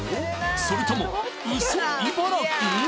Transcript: それともウソ茨城？